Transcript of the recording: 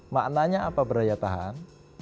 maknanya apa berdaya tahan